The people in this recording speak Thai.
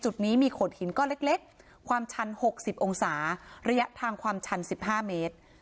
จุดนี้มีโขดหินก้อนเล็กความชัน๖๐องศาระยะทางความชัน๑๕เมตร